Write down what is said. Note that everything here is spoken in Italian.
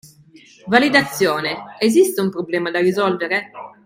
Validazione: esiste un problema da risolvere?